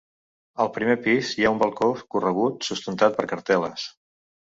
Al primer pis hi ha un balcó corregut sustentat per cartel·les.